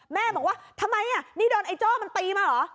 แม่บอกว่าทำไมนี่โดนไอ้โจ้มันตีมาเหรอ